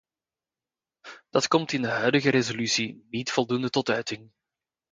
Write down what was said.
Dat komt in de huidige resolutie niet voldoende tot uiting.